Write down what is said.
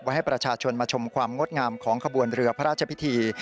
ให้ประชาชนมาชมความงดงามของขบวนเรือพระราชพิธี